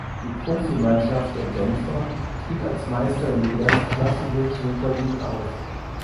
Die Profimannschaft der Genfer stieg als Meister in die erstklassige Super League auf.